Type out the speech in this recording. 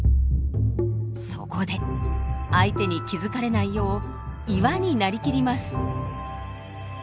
そこで相手に気付かれないよう「岩」になりきります。